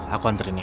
aku anterin ya